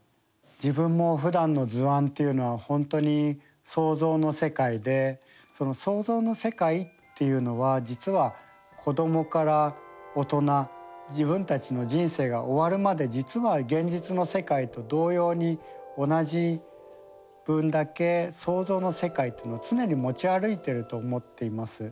自分もふだんの図案っていうのは本当に想像の世界でその想像の世界っていうのは実は子どもから大人自分たちの人生が終わるまで実は現実の世界と同様に同じ分だけ想像の世界っていうのを常に持ち歩いていると思っています。